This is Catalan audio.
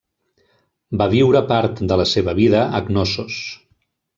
Va viure part de la seva vida a Cnossos.